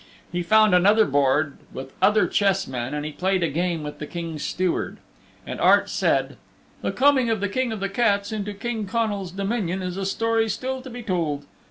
He found another board with other chess men and he played a game with the King's Steward. And Art said, "The coming of the King of the Cats into King Connal's Dominion is a story still to be told.